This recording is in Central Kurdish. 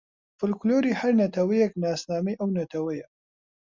فۆلکلۆری هەر نەتەوەیێک ناسنامەی ئەو نەتەوەیە